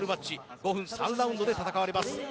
５分３ラウンドで戦われます。